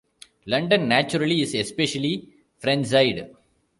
London, naturally, is especially frenzied.